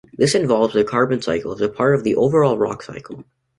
This involves the carbon cycle as a part of the overall rock cycle.